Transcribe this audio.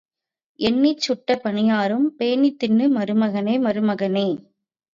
எண்ணிச் சுட்ட பணியாரம், பேணித் தின்னு மருமகனே மருமகனே.